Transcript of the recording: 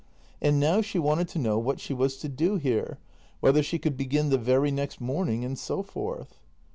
And now she wanted to know what she was to do here — whether she could begin the very next morning, and so forth.